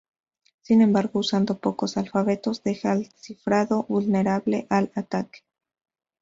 Sin embargo, usando pocos alfabetos deja al cifrado vulnerable al ataque.